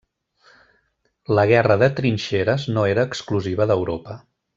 La guerra de trinxeres no era exclusiva d'Europa.